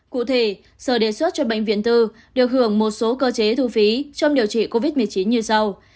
cụ thể sở đề xuất cho bệnh viện tư được hưởng một số cơ chế thu phí trong điều trị covid một mươi chín như sau